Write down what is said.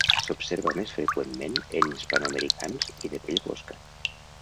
S'observa més freqüentment en hispanoamericans i de pell fosca.